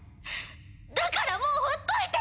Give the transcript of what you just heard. だからもうほっといて！